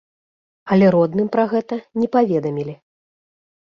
Але родным пра гэта не паведамілі.